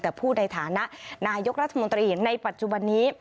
แต่ผู้ในฐานะนายกรัฐมนตรีในปัจจุบันนี้